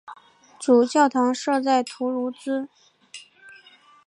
主教座堂设在图卢兹。